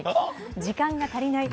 時間が足りない。